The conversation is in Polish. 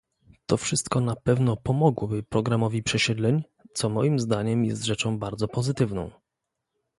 To wszystko na pewno pomogłoby programowi przesiedleń, co moim zdaniem jest rzeczą bardzo pozytywną